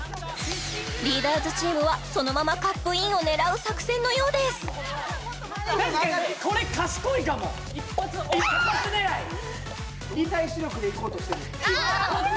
リーダーズチームはそのままカップインを狙う作戦のようですあっ！